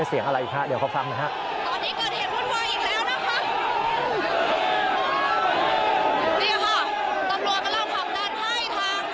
เสียงอะไรคะเดี๋ยวเข้าฟังนะครับ